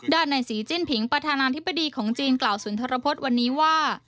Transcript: ในศรีจิ้นผิงประธานาธิบดีของจีนกล่าวสุนทรพฤษวันนี้ว่า